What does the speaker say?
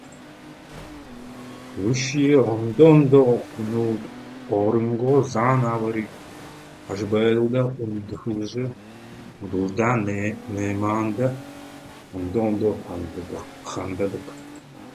However, different people approach shopping differently based on their personality and lifestyle.